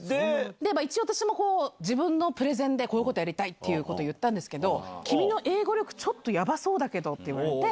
で、一応私も自分のプレゼンで、こういうことやりたいっていうこと言ったんですけど、君の英語力、ちょっとやばそうだけどって言われて。